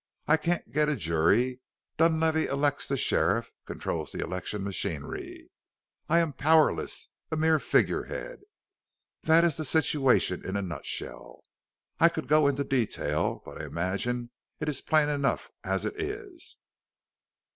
I can't get a jury. Dunlavey elects the sheriff controls the election machinery. I am powerless a mere figurehead. This is the situation in a nutshell. I could go into detail, but I imagine it is plain enough as it is."